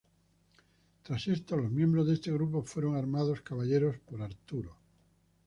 Tras esto los miembros de este grupo fueron armados caballeros por Arturo.